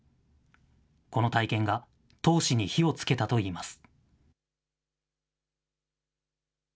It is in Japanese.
この体験が闘志に火をつけたといいます。